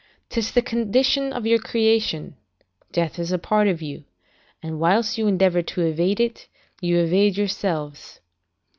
'Tis the condition of your creation; death is a part of you, and whilst you endeavour to evade it, you evade yourselves.